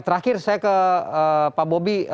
terakhir saya ke pak bobi